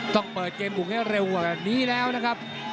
ต้องเปิดเกมบุกให้เร็วกว่าแบบนี้แล้วนะครับ